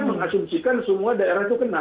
mengasumsikan semua daerah itu kena